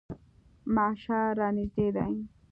محشر رانږدې دی.